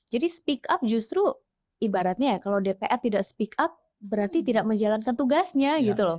jadi speak up justru ibaratnya kalau dpr tidak speak up berarti tidak menjalankan tugasnya gitu loh